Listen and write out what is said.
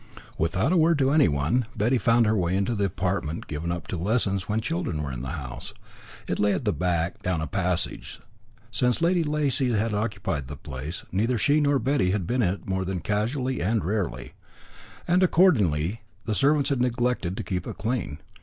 Without a word to anyone, Betty found her way to the apartment given up to lessons when children were in the house. It lay at the back, down a passage. Since Lady Lacy had occupied the place, neither she nor Betty had been in it more than casually and rarely; and accordingly the servants had neglected to keep it clean.